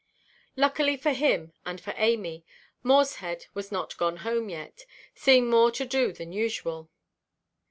Luckily for him and for Amy, Morshead was not gone home yet, seeing more to do than usual.